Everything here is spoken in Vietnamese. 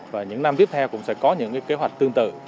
và những năm tiếp theo cũng sẽ có những kế hoạch tương tự